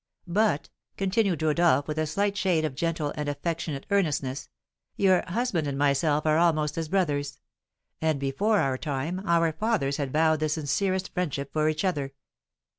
But," continued Rodolph with a slight shade of gentle and affectionate earnestness, "your husband and myself are almost as brothers; and, before our time, our fathers had vowed the sincerest friendship for each other.